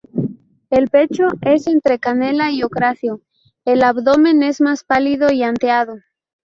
El pecho es entre canela y ocráceo; el abdomen es más pálido y anteado.